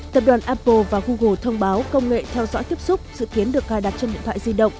tập đoàn apple và google thông báo công nghệ theo dõi tiếp xúc dự kiến được cài đặt trên điện thoại di động